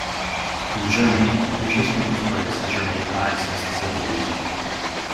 In Germany, interest in his plays has remained high since the seventies.